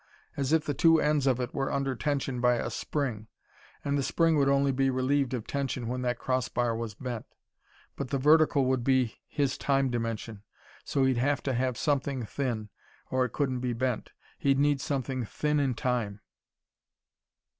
As if the two ends of it were under tension by a spring, and the spring would only be relieved of tension when that cross bar was bent. But the vertical would be his time dimension, so he'd have to have something thin, or it couldn't be bent. He'd need something 'thin in time.'